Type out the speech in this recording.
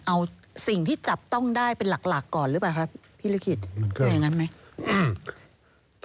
เอาสิ่งที่จบต้องได้เป็นหลักก่อนล่ะป่ะพี่ลุณคิดไม่อย่างนั้นไหม